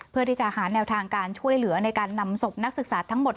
เพื่อที่จะหาแนวทางการช่วยเหลือในการนำศพนักศึกษาทั้งหมด